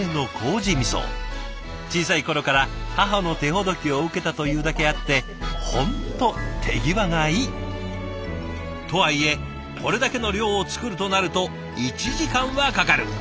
小さい頃から母の手ほどきを受けたというだけあって本当手際がいい！とはいえこれだけの量を作るとなると１時間はかかる。